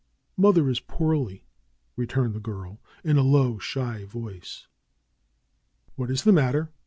"Mother is poorly," returned the girl, in a low, shy voice. "What is the matter?"